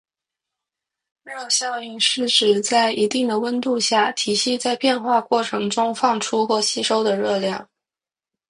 热效应是指在一定温度下，体系在变化过程中放出或吸收的热量。